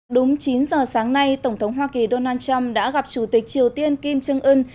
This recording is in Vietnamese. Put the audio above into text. đúng chín giờ sáng nay tổng thống hoa kỳ donald trump đã gặp chủ tịch triều tiên kim trương ưn